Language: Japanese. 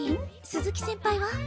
鈴木先輩は？